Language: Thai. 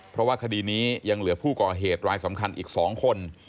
เพราะว่าคดีนี้ยังเหลือผู้ก่อเหตุรายสำคัญอีก๒คน